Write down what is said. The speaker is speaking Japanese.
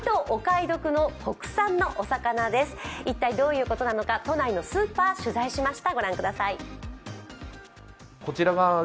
一体どういうことなのか、都内のスーパーを取材しました。